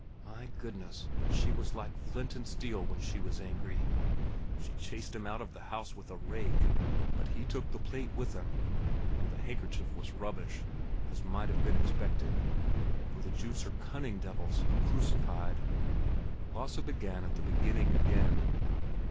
My goodness, but she was like flint and steel when she was angry! She chased him out of the house with a rake. But he took the plait with him, and the handkerchief was rubbish, as might have been expected. For the Jutes are cunning devils, who crucified——" Lasse began at the beginning again.